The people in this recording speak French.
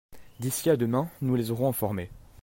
D'ici à demain nous les aurons informés.